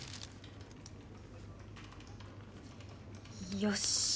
よし。